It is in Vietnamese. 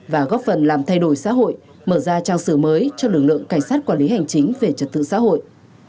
và góp phần làm thay đổi xã hội mở ra trang sử mới cho lực lượng cảnh sát quản lý hành chính về trật tự xã hội